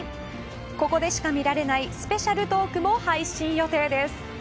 ここでしか見られないスペシャルトークも配信予定です。